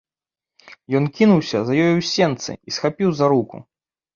Ён кінуўся за ёю ў сенцы і схапіў за руку.